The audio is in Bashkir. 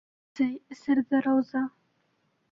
Сәй эсерҙе Рауза.